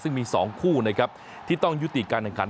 ซึ่งมี๒คู่นะครับที่ต้องยุติการแข่งขัน